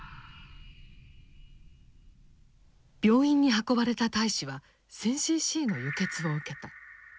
病院に運ばれた大使は１，０００ｃｃの輸血を受けた。